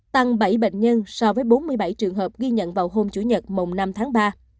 tăng bảy bệnh nhân so với bốn mươi bảy trường hợp ghi nhận vào hôm chủ nhật mồng năm tháng ba